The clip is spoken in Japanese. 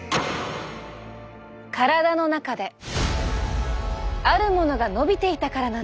体の中であるものが伸びていたからなんです。